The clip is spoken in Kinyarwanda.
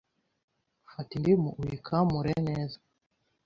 Fata indimu uyikamure neza,